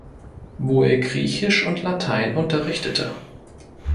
Wo er Griechisch und Latein unterrichtete.